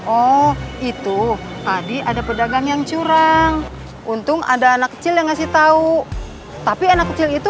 oh itu tadi ada pedagang yang curang untung ada anak kecil yang ngasih tahu tapi anak kecil itu